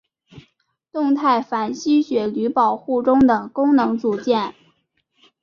动态反吸血驴保护中的功能组件。